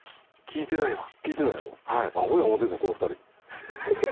聞いてないやろ？